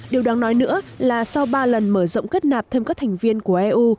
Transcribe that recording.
điều đáng nói nữa là sau ba lần mở rộng kết nạp thêm các thành viên của eu